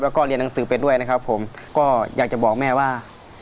แล้วก็เรียนหนังสือไปด้วยนะครับผมก็อยากจะบอกแม่ว่า